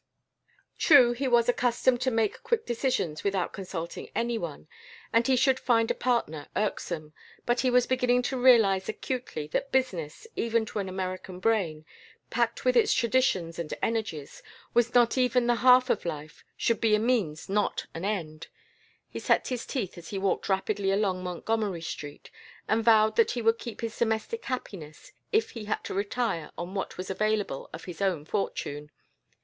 True, he was accustomed to make quick decisions without consulting any one, and he should find a partner irksome, but he was beginning to realize acutely that business, even to an American brain, packed with its traditions and energies, was not even the half of life, should be a means not an end; he set his teeth as he walked rapidly along Montgomery Street and vowed that he would keep his domestic happiness if he had to retire on what was available of his own fortune.